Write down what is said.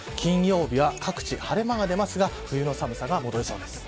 金曜日は各地晴れ間が出ますが冬の寒さが戻りそうです。